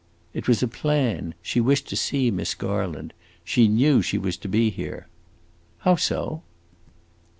"It was a plan. She wished to see Miss Garland. She knew she was to be here." "How so?"